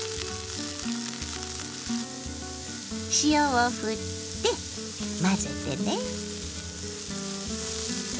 塩をふって混ぜてね。